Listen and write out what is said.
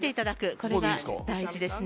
これが大事ですね。